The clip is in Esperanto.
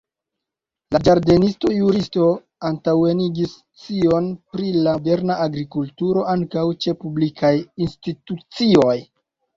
La ĝardenisto-juristo antaŭenigis scion pri la moderna agrikulturo ankaŭ ĉe publikaj institucioj.